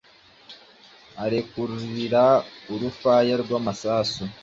arekurira urufaya rw’amasasu